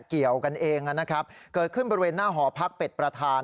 เกี่ยวกันเองนะครับเกิดขึ้นบริเวณหน้าหอพักเป็ดประธาน